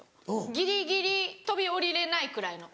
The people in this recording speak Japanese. ギリギリ飛び降りれないくらいの。